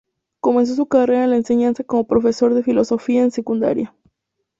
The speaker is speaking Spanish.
Comenzó su carrera en la enseñanza como profesor de filosofía en secundaria.